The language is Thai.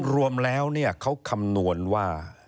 รวมแล้วเขาคำนวณว่า